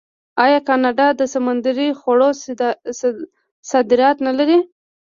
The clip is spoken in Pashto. آیا کاناډا د سمندري خوړو صادرات نلري؟